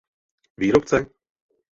Výrobce?